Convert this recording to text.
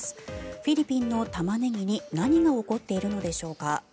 フィリピンのタマネギに何が起こっているのでしょうか。